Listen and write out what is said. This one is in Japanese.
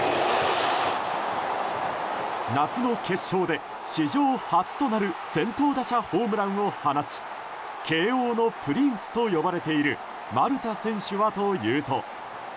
夏の決勝で史上初となる先頭打者ホームランを放ち慶応のプリンスと呼ばれている丸田選手はというと。